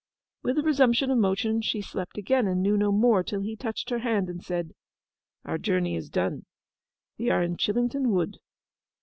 With the resumption of motion she slept again, and knew no more till he touched her hand and said, 'Our journey is done—we are in Chillington Wood.